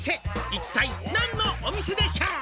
「一体何のお店でしょう？」